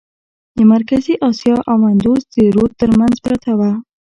د مرکزي آسیا او اندوس د رود ترمنځ پرته وه.